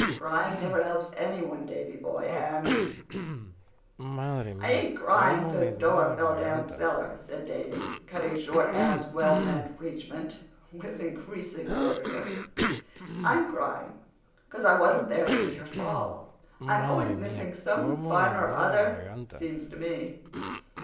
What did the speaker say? Crying never helps any one, Davy boy, and—" "I ain't crying 'cause Dora fell down cellar," said Davy, cutting short Anne's wellmeant preachment with increasing bitterness. "I'm crying, cause I wasn't there to see her fall. I'm always missing some fun or other, seems to me."